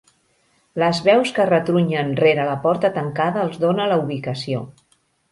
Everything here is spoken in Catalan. Les veus que retrunyen rere la porta tancada els dona la ubicació.